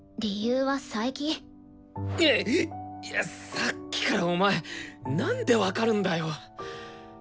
さっきからお前なんで分かるんだよ。